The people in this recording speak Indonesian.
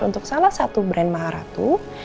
untuk salah satu brand maharatu